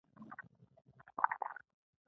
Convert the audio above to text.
يوه بل وويل: ټول خبر ول.